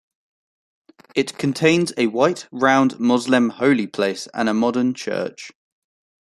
It contains a white round Moslem holy place and a modern church.